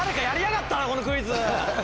このクイズ！